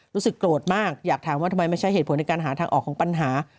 รู้สึกโกรธมากอยากถามว่าทำไมไม่ใช่เหตุผลในการหาทางออกของปัญหา